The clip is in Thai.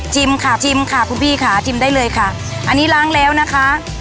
ค่ะชิมค่ะคุณพี่ค่ะชิมได้เลยค่ะอันนี้ล้างแล้วนะคะ